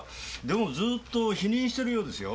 でもずーっと否認してるようですよ。